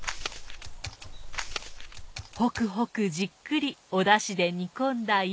ほくほくじっくりおだしでにこんだ